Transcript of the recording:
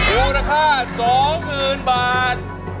รูปราค่า๒๐๐๐๐บาท